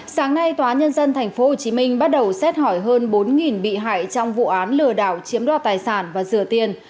sáng nay tòa nhân dân tp hcm bắt đầu xét hỏi hơn bốn bị hại trong vụ án lừa đảo chiếm đoạt tài sản và rửa tiền